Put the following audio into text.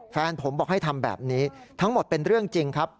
แฟนผมบอกให้ทำแบบนี้ทั้งหมดเป็นเรื่องจริงครับ